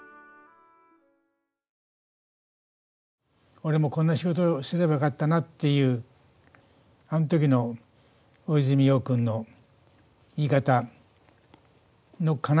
俺も、こんな仕事をすればよかったなっていうあん時の大泉洋君の言い方の悲しさっていうかな。